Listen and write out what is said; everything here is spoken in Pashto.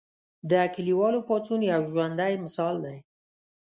د کلیوالو پاڅون یو ژوندی مثال دی.